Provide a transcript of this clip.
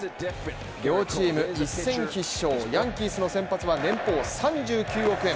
両チームの一戦必勝ヤンキースの先発は年俸３９億円